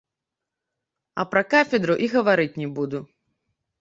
А пра кафедру і гаварыць не буду.